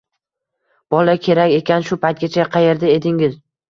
Bola kerak ekan, shu paytgacha qaerda edingiz